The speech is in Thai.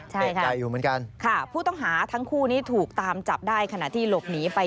ใช่ค่ะค่ะผู้ต้องหาทั้งคู่นี้ถูกตามจับได้ขณะที่หลบหนีไป